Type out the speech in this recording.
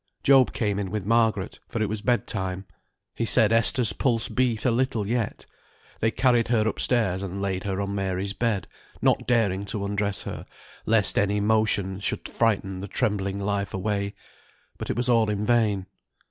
Job came in with Margaret, for it was bed time. He said Esther's pulse beat a little yet. They carried her upstairs and laid her on Mary's bed, not daring to undress her, lest any motion should frighten the trembling life away; but it was all in vain.